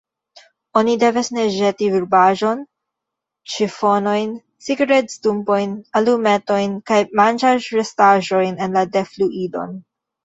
Oni devas ne ĵeti rubaĵon, ĉifonojn, cigaredstumpojn, alumetojn kaj manĝaĵrestaĵojn en la defluilon.